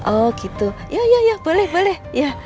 oh gitu ya ya ya boleh boleh